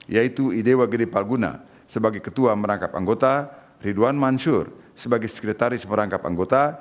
yaitu idewa gede palguna sebagai ketua merangkap anggota ridwan mansur sebagai sekretaris merangkap anggota